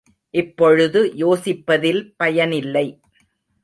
இப்பொழுது யோசிப்பதில் பயனில்லை.